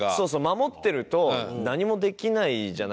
守っていると何もできないじゃないですか。